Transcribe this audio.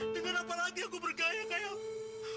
dengan apa lagi aku bergaya kayak aku